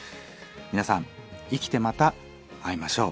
皆さん生きてまた会いましょう。